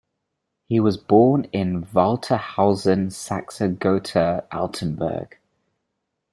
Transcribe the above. He was born in Waltershausen, Saxe-Gotha-Altenburg.